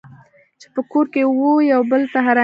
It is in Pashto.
چې په کور کې وو یو بل ته حرامېږي.